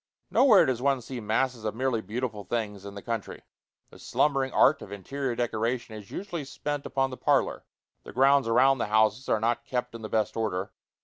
Nowhere does one see masses of merely beautiful things in the country. The slumbering art of interior decoration is usually spent upon the parlor. The grounds around the houses are not kept in the best order.